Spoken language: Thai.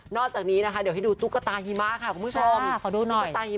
นอกจากนี้นะคะเดี๋ยวให้ดูตุ๊กตาฮิมาค่ะคุณผู้ชมนี่คุณผู้ชม